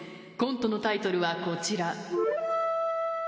コントのタイトルはこちら。